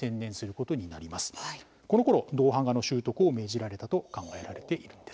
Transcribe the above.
このころ銅版画の習得を命じられたと考えられているんです。